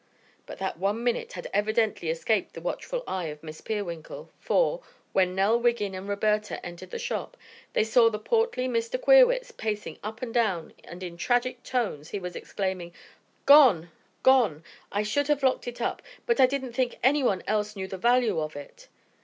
But that one minute had evidently escaped the watchful eye of Miss Peerwinkle, for, when Nell Wiggin and Roberta entered the shop, they saw the portly Mr. Queerwitz pacing up and down and in tragic tones he was exclaiming: "Gone! Gone! I should have locked it up, but I didn't think anyone else knew the value of it."